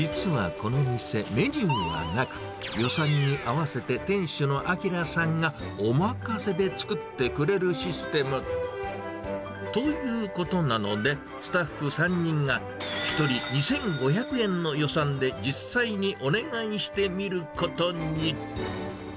実はこの店、メニューがなく、予算に合わせて店主の明さんが、おまかせで作ってくれるシステム。ということなので、スタッフ３人が１人２５００円の予算で実際にお願いしてみることに。